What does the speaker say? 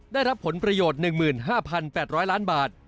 ได้รับผลประโยชน์๑๕๘๐๐ล้านบาท